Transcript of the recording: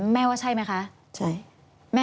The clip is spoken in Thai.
แม่ว่าใช่ไหมคะ